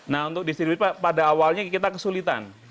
nah untuk distribusi pada awalnya kita kesulitan